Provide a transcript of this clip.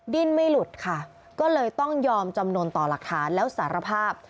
ดิ้นไม่หลุดค่ะก็เลยต้องยอมจำนวนต่อหลักฐานแล้วสารภาพ